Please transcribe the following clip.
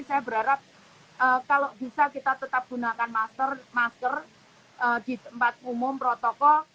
saya berharap kalau bisa kita tetap gunakan masker di tempat umum protokol